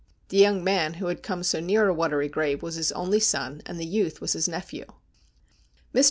The young man who had come so near a watery grave was his only son, and the youth was his nephew. Mr.